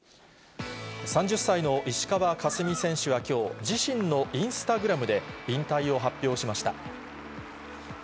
３０歳の石川佳純選手はきょう、自身のインスタグラムで引退を発表しました。